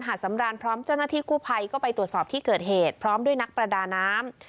สำรานพร้อมเจ้าหน้าที่กู้ภัยก็ไปตรวจสอบที่เกิดเหตุพร้อมด้วยนักประดาน้ำ